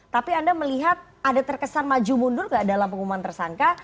tapi anda melihat ada terkesan maju mundur gak dalam pengumuman tersangka